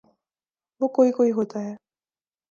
وہ کوئی کوئی ہوتا ہے۔